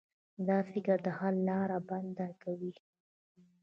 دا فکر د حل لاره بنده کوي.